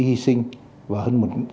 hy sinh và hơn một trăm linh